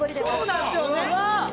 そうなんですよ！